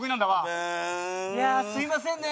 いやすみませんね